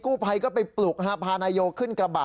ผู้ภัยก็ไปปลุกพานายโยขึ้นกระบะ